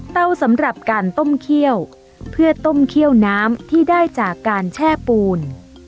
สำหรับการต้มเคี่ยวเพื่อต้มเคี่ยวน้ำที่ได้จากการแช่ปูน